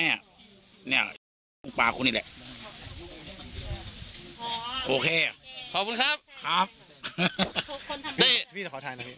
เฉพาะพอเฉพาะนะครับขอโทษโทษโทษโทษนะนะ